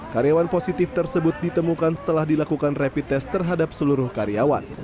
karyawan positif tersebut ditemukan setelah dilakukan rapid test terhadap seluruh karyawan